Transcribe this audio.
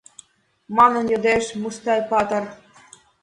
Манын йодеш Мустай-патыр